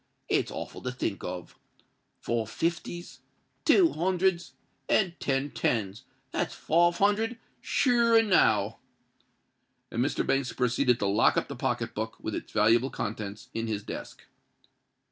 It's awful to think of! Four fifties—two hundreds—and ten tens: that's five hundred—sure enow." And Mr. Banks proceeded to lock up the pocket book, with its valuable contents, in his desk.